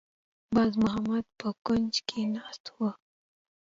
باز محمد په کونج کې ناسته وه.